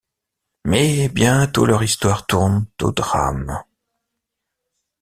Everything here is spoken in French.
Mais bientôt leur histoire tourne au drame...